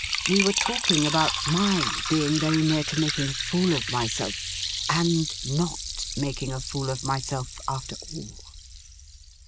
We were talking about my being very near to making a fool of myself, and not making a fool of myself, after all.'